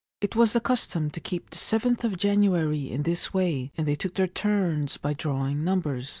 It was the custom to keep the yth of January in this way, and they took their turns by drawing numbers.